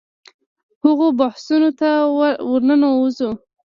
هغو بحثونو ته ورننوځو.